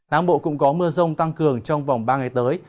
nắng bộ cũng có mưa rông tăng cường trong vòng ba ngày tới